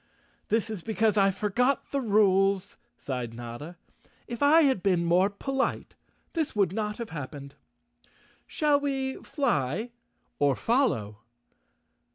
"This is because I forgot the rules," sighed Notta. "If I had been more polite this would not have hap¬ pened. Shall we fly or follow?"